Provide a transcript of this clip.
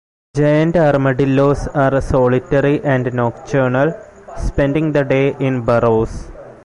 Giant armadillos are solitary and nocturnal, spending the day in burrows.